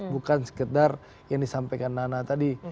bukan sekedar yang disampaikan nana tadi